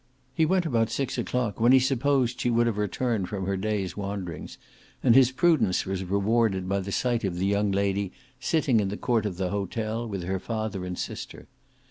He went about six o'clock, when he supposed she would have returned from her day's wanderings, and his prudence was rewarded by the sight of the young lady sitting in the court of the hotel with her father and sister.